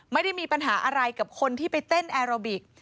ไม่ได้มีปัญหาอะไรกับคนที่ไปเต้นแอโรบิก